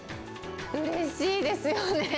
うれしいですよね。